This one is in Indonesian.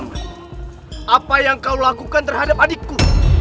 apa yang kau lakukan terhadap adikku